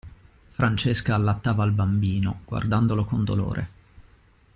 Francesca allattava il bambino, guardandolo con dolore.